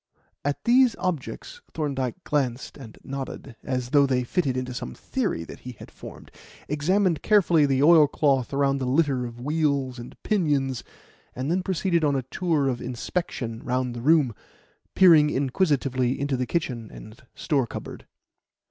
At these objects Thorndyke glanced and nodded, as though they fitted into some theory that he had formed; examined carefully the oilcloth around the litter of wheels and pinions, and then proceeded on a tour of inspection round the room, peering inquisitively into the kitchen and store cupboard.